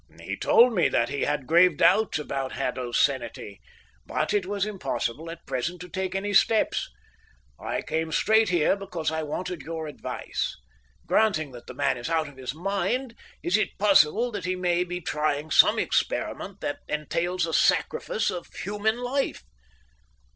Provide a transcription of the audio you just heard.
He told me that he had grave doubts about Haddo's sanity, but it was impossible at present to take any steps. I came straight here because I wanted your advice. Granting that the man is out of his mind, is it possible that he may be trying some experiment that entails a sacrifice of human life?"